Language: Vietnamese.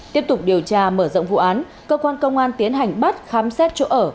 tiếp tục điều tra mở rộng vụ án cơ quan công an tiến hành bắt khám xét chỗ ở